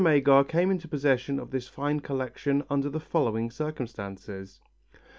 Agar came into possession of this fine collection under the following circumstances.